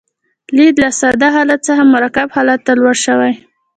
لید له ساده حالت څخه مرکب حالت ته لوړ شوی.